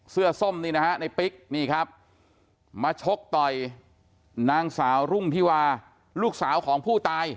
ส้มนี่นะฮะในปิ๊กนี่ครับมาชกต่อยนางสาวรุ่งธิวาลูกสาวของผู้ตาย